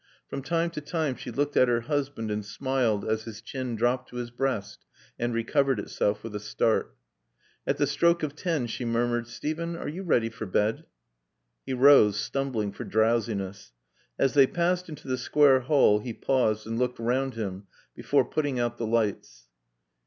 From time to time she looked at her husband and smiled as his chin dropped to his breast and recovered itself with a start. At the stroke of ten she murmured, "Steven, are you ready for bed?" He rose, stumbling for drowsiness. As they passed into the square hall he paused and looked round him before putting out the lights.